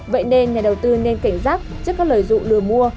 vậy nên nhà đầu tư nên cảnh giác trước các lời dụ lừa mua